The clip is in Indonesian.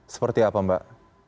seperti apa mbak